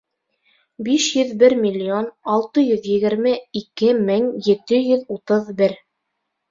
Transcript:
Биш йөҙ бер миллион алты йөҙ егерме ике мең ете йөҙ утыҙ бер.